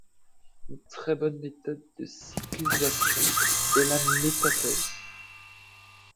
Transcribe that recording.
Une très bonne méthode de cyclisation est la métathèse.